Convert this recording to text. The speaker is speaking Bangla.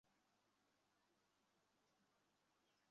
তাঁকে রংপুর মেডিকেল কলেজ হাসপাতালে নিয়ে যাওয়ার পথে তিনি মারা যান।